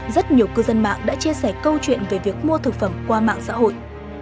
rất nhiều cư dân mạng đã chia sẻ câu chuyện về việc mua thực phẩm qua mạng xã hội